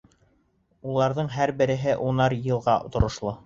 — Уларҙың һәр береһе унар йылға торошло.